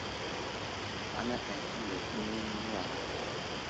Ana eŋ kəngay kəni nəwaray ?